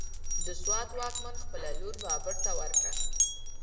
د سوات واکمن خپله لور بابر ته ورکړه،